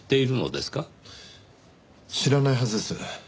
知らないはずです。